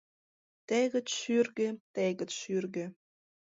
Тегыт шӱргӧ, тегыт шӱргӧ!